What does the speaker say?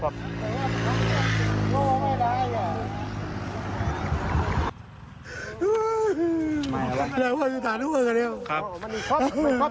ก็บอกว่าอย่านัดเบี้ยงถึงหลายราค